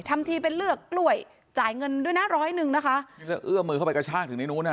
ทำทีเป็นเลือกกล้วยจ่ายเงินด้วยนะร้อยหนึ่งนะคะนี่แล้วเอื้อมือเข้าไปกระชากถึงในนู้นนะ